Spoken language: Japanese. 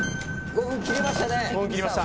５分切りました